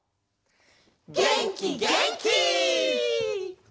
げんきげんき！